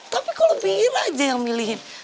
tapi kalau pingin aja yang milihin